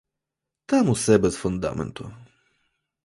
Там усе без фундаменту.